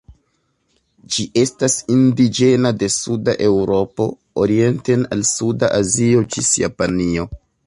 Ĝi estas indiĝena de suda Eŭropo orienten al suda Azio ĝis Japanio.